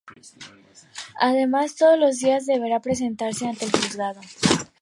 Además, todos los días deberá presentarse ante el juzgado.